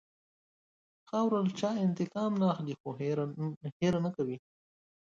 خاوره له چا انتقام نه اخلي، خو هېر نه کوي.